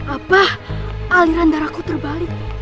apa aliran darahku terbalik